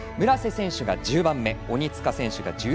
村瀬選手が１０番目鬼塚選手が１３